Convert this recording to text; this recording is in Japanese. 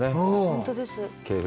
本当です。